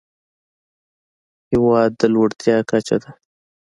هېواد د لوړتيا کچه ده.